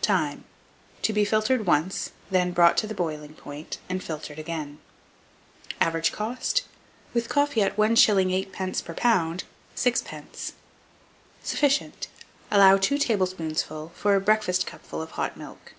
Time. To be filtered once, then brought to the boiling point, and filtered again. Average cost, with coffee at 1s. 8d. per lb., 6d. Sufficient' Allow 2 tablespoonfuls for a breakfast cupful of hot milk.